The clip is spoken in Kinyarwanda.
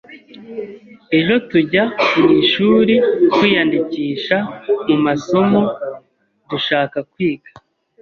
Ejo tujya mwishuri kwiyandikisha mumasomo dushaka kwiga.